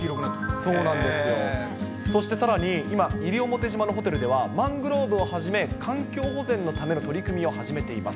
そしてさらに今、西表島のホテルでは、マングローブをはじめ、環境保全のための取り組みを始めています。